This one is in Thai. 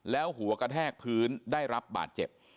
แล้วหัวกระแทกพื้นได้รับบาดเจ็บ